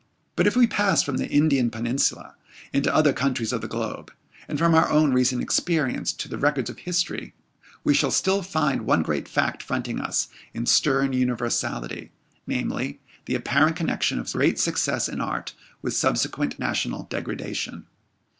But if we pass from the Indian peninsula into other countries of the globe; and from our own recent experience, to the records of history, we shall still find one great fact fronting us, in stern universality namely, the apparent connection of great success in art with subsequent national degradation.